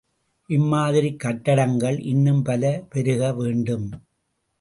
இம்மாதிரிக் கட்டிடங்கள் இன்னும் பல பெருக வேண்டும்.